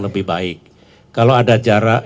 lebih baik kalau ada jarak